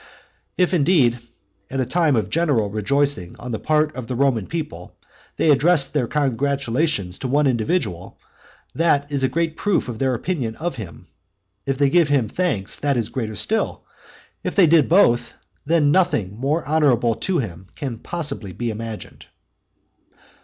For if, at a time of general rejoicing on the part of the Roman people, they addressed their congratulations to one individual, that is a great proof of their opinion of him; if they gave him thanks, that is a greater still; if they did both, then nothing more honourable to him can be possibly imagined.